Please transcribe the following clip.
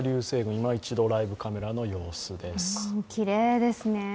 いま一度ライブカメラの様子です。